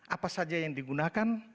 apa saja yang digunakan